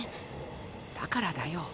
だからだよ。